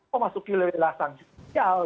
memasuki lewela sangsial